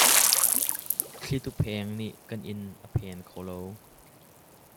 Thlitu pheng nih kan inn a phen kho lo.